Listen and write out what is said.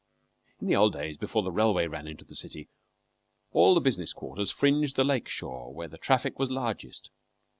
In the old days, before the railway ran into the city, all the business quarters fringed the lake shore where the traffic was largest.